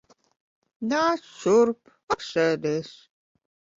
Nāc šurp. Apsēdies.